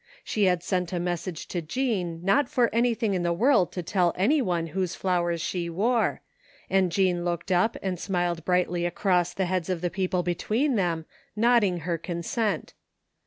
She had sent a mes sage to Jean not for anything in the world to tell any one whose flowers she wore, and Jean looked up and smiled brightly across the heads of the people between them, nodding her consent.